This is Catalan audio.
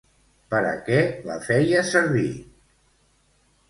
Per a què la feia servir?